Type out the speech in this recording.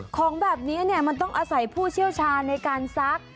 ของแบบนี้มันต้องอาศัยผู้เชี่ยวชาญในการซัก